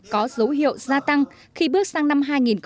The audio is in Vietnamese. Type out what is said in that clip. có dấu hiệu gia tăng khi bước sang năm hai nghìn một mươi bảy